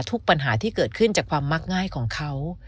ปัญหาที่เกิดขึ้นจากความมักง่ายของเขา